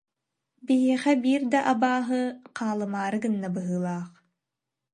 Биһиэхэ биир да абааһы хаалымаары гынна быһыылаах